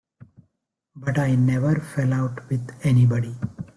But I never fell out with anybody.